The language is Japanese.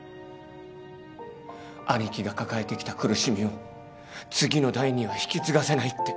兄貴が抱えてきた苦しみを次の代には引き継がせないって。